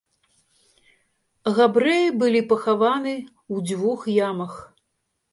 Габрэі былі пахаваны ў дзвюх ямах.